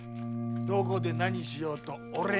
どこで何しようと俺の勝手だ。